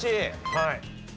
はい。